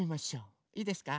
いいですか？